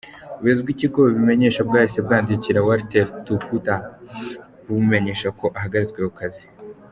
Ubuyobozi bw’ikigo bubimenye bwahise bwandikira Walter Tutka bumumenyesha ko ahagaritswe ku kazi.